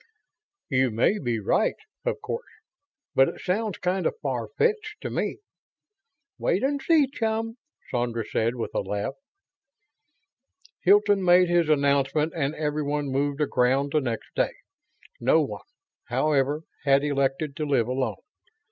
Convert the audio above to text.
"You may be right, of course, but it sounds kind of far fetched to me." "Wait and see, chum," Sandra said, with a laugh. Hilton made his announcement and everyone moved aground the next day. No one, however, had elected to live alone.